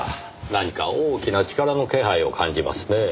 何か大きな力の気配を感じますねぇ。